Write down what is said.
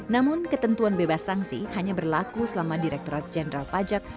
namun ketentuan bebas sanksi hanya berlaku selama direkturat jenderal pajak